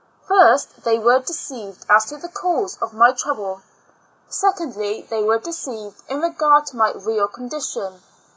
First, they were deceived as to the cause of my trouble; secondly, they were deceived in regard to my real condition.